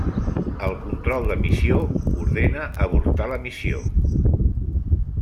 El Control de Missió ordena avortar la missió.